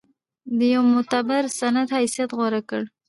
د یوه معتبر سند حیثیت غوره کړ.